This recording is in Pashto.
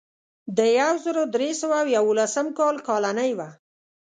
د یو زر درې سوه یوولس کال کالنۍ وه.